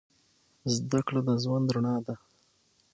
زدهکړه د ژوند رڼا ده